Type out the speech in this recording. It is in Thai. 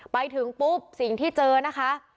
ไปถึงปุ๊บสิ่งที่เจอนะคะ